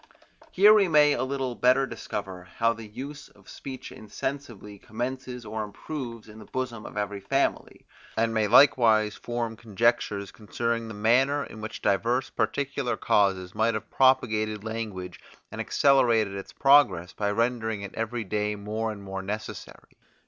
Here we may a little better discover how the use of speech insensibly commences or improves in the bosom of every family, and may likewise from conjectures concerning the manner in which divers particular causes might have propagated language, and accelerated its progress by rendering it every day more and more necessary.